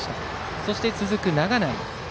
そして続く長内。